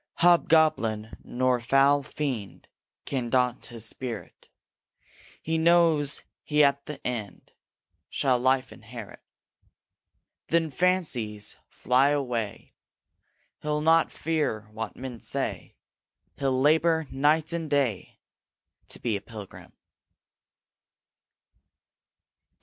Hobgoblin, nor foul fiend, Can daunt his spirit; He knows he at the end Shall Life inherit: Then, fancies, fly away; RAINBOW GOLD He'll not fear what men say; He'll labor night and day, To be a Pilgrim.